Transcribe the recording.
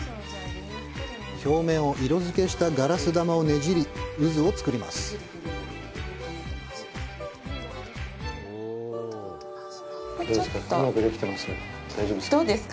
表面を色づけしたガラス玉をねじり、渦を作ります。